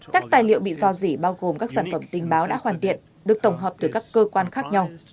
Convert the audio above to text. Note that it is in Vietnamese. các tài liệu bị do dỉ bao gồm các sản phẩm tin báo đã hoàn tiện được tổng hợp từ các cơ quan khác nhau